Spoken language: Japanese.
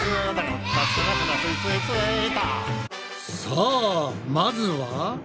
さあまずは。